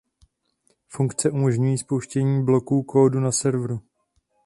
Funkce umožňují spouštění bloků kódu na serveru.